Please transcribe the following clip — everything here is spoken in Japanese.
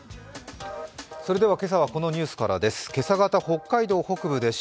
今朝はこのニュースからです。